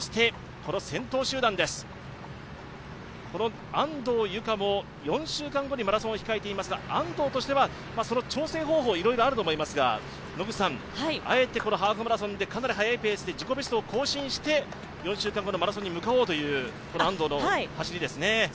先週集団です、安藤友香も４週間後にマラソンを控えていますが、安藤としては調整方法、いろいろあると思いますが、あえてハーフマラソンでかなり速いペースで自己ベストを更新して４週間後のマラソンに向かおうという安藤の走りですね。